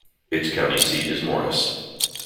Its county seat is Morris.